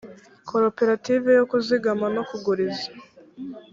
koperative yo kuzigama no kuguriza